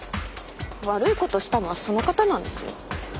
悪い事したのはその方なんですよ。